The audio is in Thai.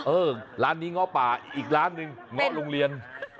ล้อโอ้โฮร้านนี้เงาะป่าอีกร้านนึงเงาะโรงเรียน